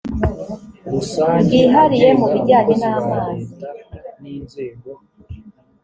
bwihariye mu bijyanye n amazi